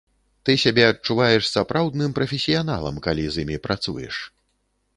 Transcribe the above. Ты сябе адчуваеш сапраўдным прафесіяналам, калі з імі працуеш.